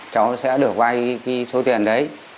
cháu sẽ được vay số tiền đấy